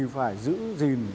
phải giữ gìn